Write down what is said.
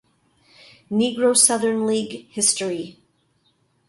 Negro Southern League History